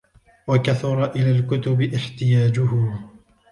وَكَثُرَ إلَى الْكُتُبِ احْتِيَاجُهُ